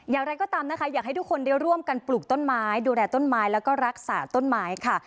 อย่างไรก็ตามนะคะอยากให้ทุกคนได้ร่วมกันปลูกต้นไม้ดูแลต้นไม้แล้วก็รักษาต้นไม้ค่ะ